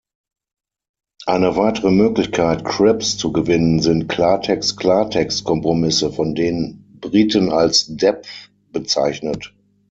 Eine weitere Möglichkeit, "Cribs" zu gewinnen, sind „Klartext-Klartext-Kompromisse“, von den Briten als "Depth" bezeichnet.